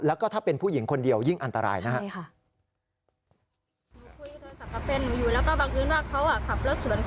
แล้วก็ถ้าเป็นผู้หญิงคนเดียวยิ่งอันตรายนะครับ